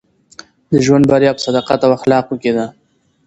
د ژوند بریا په صداقت او اخلاقو کښي ده.